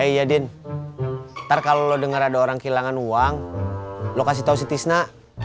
iya din ntar kalau lo denger ada orang kehilangan uang lo kasih tahu si tisna